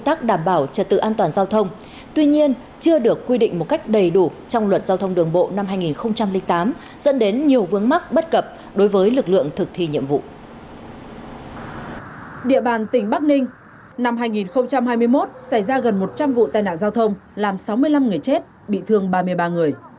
địa bàn tỉnh bắc ninh năm hai nghìn hai mươi một xảy ra gần một trăm linh vụ tai nạn giao thông làm sáu mươi năm người chết bị thương ba mươi ba người